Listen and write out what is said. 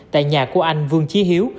tại nhà của anh vương chí hiếu